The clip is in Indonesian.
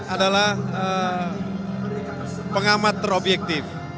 adalah pengamat terobjektif